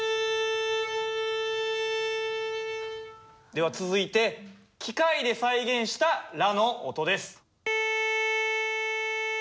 では続いて機械で再現したラの音です。